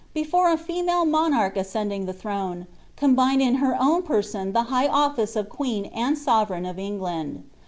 before a female monarch, ascending the throne, combined in her own person the high office of queen and sovereign of England.